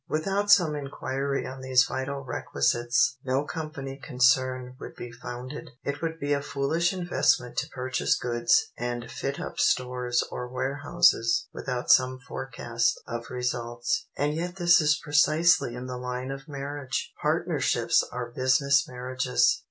Without some inquiry on these vital requisites, no company concern would be founded. It would be a foolish investment to purchase goods and fit up stores or warehouses without some forecast of results; and yet this is precisely in the line of marriage. Partnerships are business marriages.